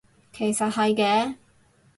其實係嘅